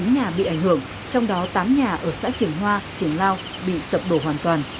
một trăm một mươi chín nhà bị ảnh hưởng trong đó tám nhà ở xã triển hoa triển lao bị sập đổ hoàn toàn